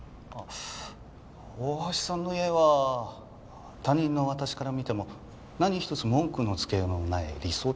大橋さんの家は他人の私から見ても何一つ文句のつけようのない理想的な家庭でした。